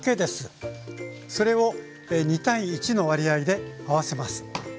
それを２：１の割合で合わせます。